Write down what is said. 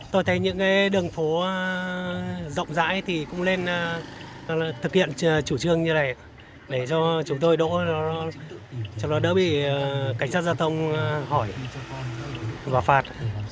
tôi thấy những đường phố rộng rãi thì cũng nên thực hiện chủ trương như này để cho chúng tôi trong đó đỡ bị cảnh sát giao thông hỏi và phạt